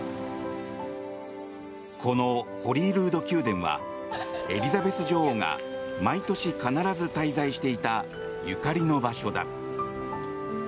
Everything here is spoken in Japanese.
このホリールード宮殿はエリザベス女王が毎年必ず滞在していたゆかりの場所だ。